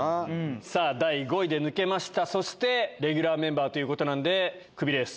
さぁ第５位で抜けましたそしてレギュラーメンバーということなんでクビレース